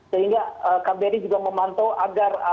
sehingga kbri juga memantau agar